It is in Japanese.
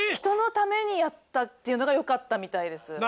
人のためにやったっていうのがよかったみたいです。